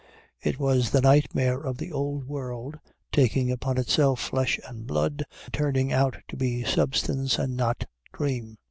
It was the nightmare of the Old World taking upon itself flesh and blood, turning out to be substance and not dream.